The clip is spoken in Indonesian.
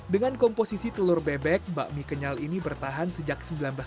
dengan komposisi telur bebek bakmi kenyal ini bertahan sejak seribu sembilan ratus sembilan puluh